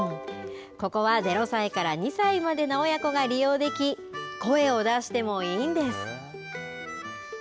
ここは０歳から２歳までの親子が利用でき声を出してもいいんです。